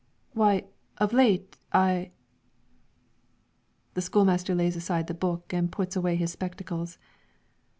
"Why, of late, I" The school master lays aside the book and puts away his spectacles.